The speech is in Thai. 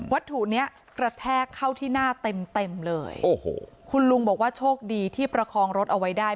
ถูกเนี้ยกระแทกเข้าที่หน้าเต็มเต็มเลยโอ้โหคุณลุงบอกว่าโชคดีที่ประคองรถเอาไว้ได้